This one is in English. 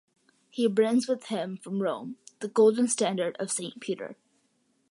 He brings with him from Rome the golden standard of Saint Peter.